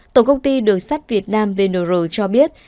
tổng công ty đường sắt việt nam vnr cho biết